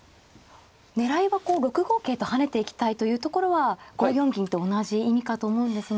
狙いはこう６五桂と跳ねていきたいというところは５四銀と同じ意味かと思うんですが。